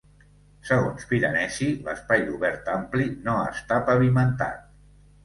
Segons Piranesi, l"espai obert ampli no està pavimentat.